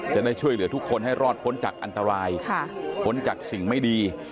จะได้ช่วยเหลือทุกคนให้รอดพ้นจากอันตรายพ้นจากสิ่งไม่ดี